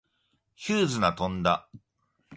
ヒューズが飛んだ。